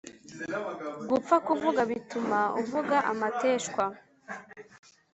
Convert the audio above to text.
gupfa kuvuga bituma uvuga amatejwa